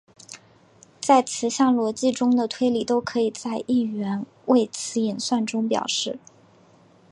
在词项逻辑中的推理都可以在一元谓词演算中表示。